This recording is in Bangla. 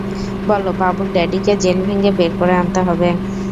বলো বাবুর ড্যাডিকে জেল ভেংগে বের করে আনতে হবে।